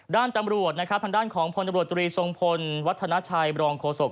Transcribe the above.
ด้านตำรวจนะครับทางด้านของพลตำรวจตรีทรงพลวัฒนาชัยบรองโฆษก